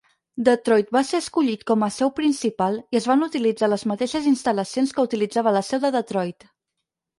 Detroit va ser escollit com a seu principal i es van utilitzar les mateixes instal·lacions que utilitzava la seu de Detroit.